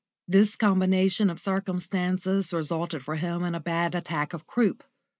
This combination of circumstances resulted for him in a bad attack of croup.